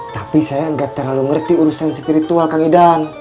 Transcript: tapi saya nggak terlalu ngerti urusan spiritual kang idam